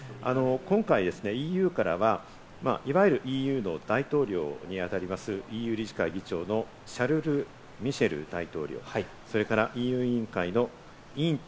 今回ですね、ＥＵからはいわゆるＥＵの大統領にあたります、シャルル・ミシェル大統領、それからＥＵ委員会の委員長。